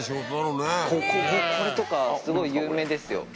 こここれとかすごい有名ですよ。